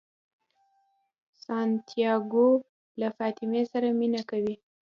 سانتیاګو له فاطمې سره مینه کوي.